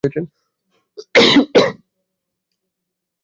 এবং এটা সবাই জানে।